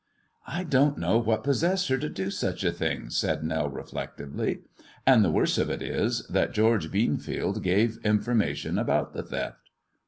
" I don't know what possessed her to do such a thing," said Nell reflectively ;" and the worst of it is, that George Beanfleld gave information about the theft."